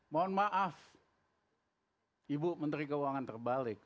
mohon maaf ibu menteri keuangan terbalik